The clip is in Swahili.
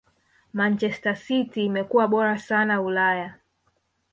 manchester city imekua bora sana ulaya